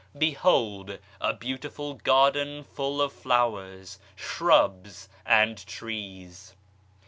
Behold a beautiful garden full of flowers, shrubs and trees.